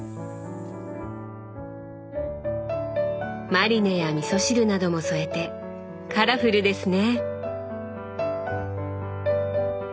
マリネやみそ汁なども添えてカラフルですね！